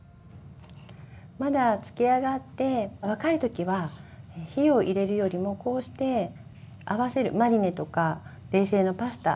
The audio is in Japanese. まだ漬け上がって若い時は火を入れるよりもこうしてあわせるマリネとか冷製のパスタ。